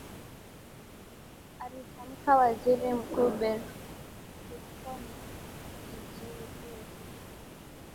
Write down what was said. alitamka waziri mkuu berlusconi kujiuzulu